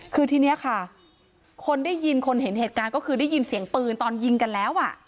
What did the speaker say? คือทีนี้ค่ะคนได้ยินคนเห็นเหตุการณ์ก็คือได้ยินเสียงปืนตอนยิงกันแล้ว